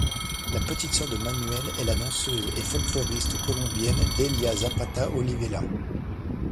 La petite sœur de Manuel est la danseuse et folkloriste colombienne Delia Zapata Olivella.